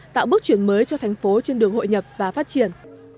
tạo bước chuyển mới cho thành phố trên đường hội nhập và phát triển